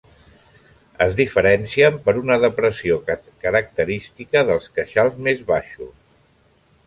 Es diferencien per una depressió característica dels queixals més baixos.